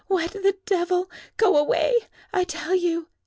What, the devil! Go away, I tell you!"